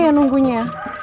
lama ya nunggunya